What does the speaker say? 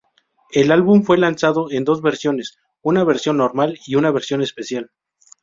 El álbum fue lanzado en dos versiones: una versión normal y una versión especial.